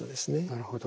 なるほど。